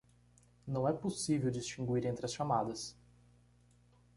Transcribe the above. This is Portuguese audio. Não é possível distinguir entre as chamadas